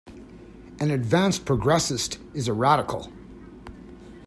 An advanced progressist is a radical.